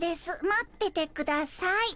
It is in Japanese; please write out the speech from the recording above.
待っててください」。